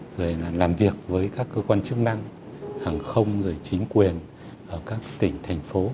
rồi là làm việc với các cơ quan chức năng hàng không rồi chính quyền ở các tỉnh thành phố